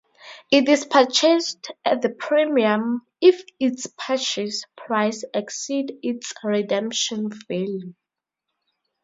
It is purchased at a premium if its purchase price exceeds its redemption value.